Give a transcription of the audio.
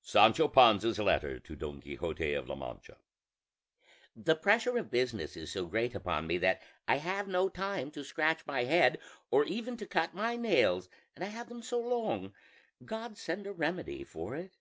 SANCHO PANZA'S LETTER TO DON QUIXOTE OF LA MANCHA "The pressure of business is so great upon me that I have no time to scratch my head or even to cut my nails; and I have them so long God send a remedy for it.